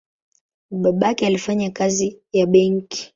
Babake alifanya kazi ya benki.